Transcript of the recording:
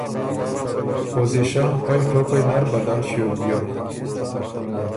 پوزیشن پئ ټوپئ نر بدل ݭیوک بیوک،